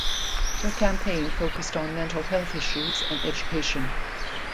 Her campaign focused on mental health issues and education.